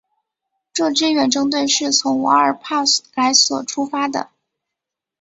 这支远征队是从瓦尔帕莱索出发的。